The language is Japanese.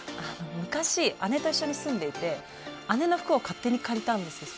昔姉と一緒に住んでいて姉の服を勝手に借りたんですよ。